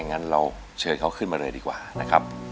งั้นเราเชิญเขาขึ้นมาเลยดีกว่านะครับ